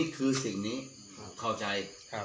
เข้าใจ